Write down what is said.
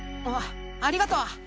あありがとう。